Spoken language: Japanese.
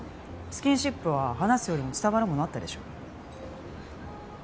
スキンシップは話すよりも伝わるものあったでしょ？